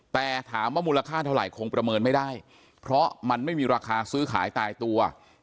แต่ถามว่ามูลค่าเท่าไหร่คงประเมินไม่ได้เพราะมันไม่มีราคาซื้อขายตายตัว